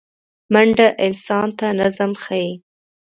منډه انسان ته نظم ښيي